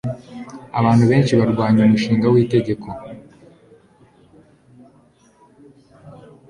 abantu benshi barwanya umushinga w'itegeko